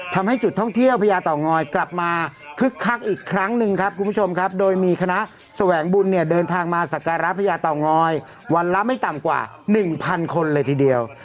ทำให้จุดท่องเที่ยวพระยาต่าง้อยกลับมาคึกฮักอีกครั้งนึงครับคุณผู้ชมครับโดยมีคณะสวงการแขวนบุญเดินทางมาสักการะพระยาต่าง้อยวันแล้วไม่ต่ำกว่า๑๐๐๐คนเลยทีเดียว